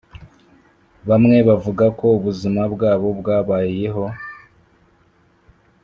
bamwe bavuga ko ubuzima bwabo bwabayeho